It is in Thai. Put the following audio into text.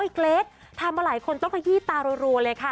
เกรททำมาหลายคนต้องขยี้ตารัวเลยค่ะ